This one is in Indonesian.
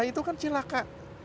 itu kan celaka